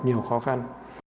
nhiều khó khăn